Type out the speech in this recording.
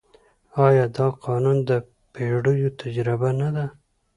آیا دا قانون د پېړیو تجربه نه ده؟